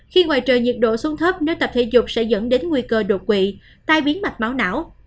khi ngoài trời nhiệt độ xuống thấp nếu tập thể dục sẽ dẫn đến nguy cơ đột quỵ tai biến mạch máu não